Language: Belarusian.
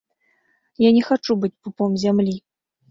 Я не хачу быць пупом зямлі.